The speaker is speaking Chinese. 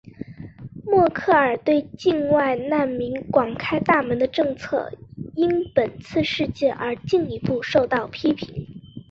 默克尔对境外难民广开大门的政策因本次事件而进一步受到批评。